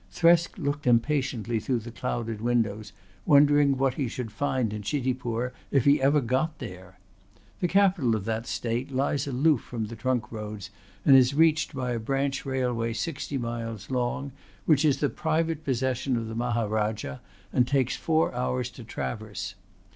Thresk looked impatiently through the clouded windows, wondering what he should find in Chitipur if ever he got there. The capital of that state lies aloof from the trunk roads and is reached by a branch railway sixty miles long, which is the private possession of the Maharajah and takes four hours to traverse.